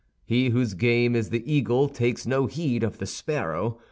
He whose game is the eagle takes no heed of the sparrow.